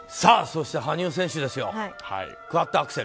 そして、羽生選手ですよ。